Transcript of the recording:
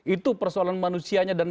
itu persoalan manusianya dan